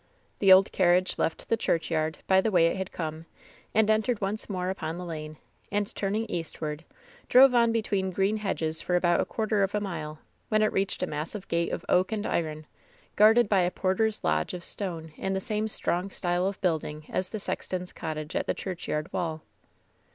The old carriage left the churchyard by the way it had come and entered once more upon the lane, and turn ing eastward, drove on between green hedges for about a quarter of a mile, when it reached a massive gate of oak and iron, guarded by a porter's lodge of stone in the same strong style of building as the sexton's cottage at the churchyard wall.